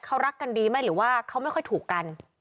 เขารักกันดีไหมหรือว่าเขาไม่ค่อยถูกกัน